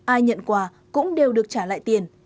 ai nhận quà cũng đều được trả lại tiền